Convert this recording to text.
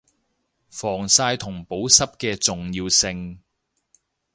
防曬同保濕嘅重要性